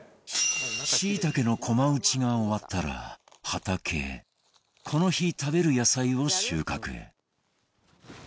しいたけの駒打ちが終わったら畑へこの日食べる野菜を収穫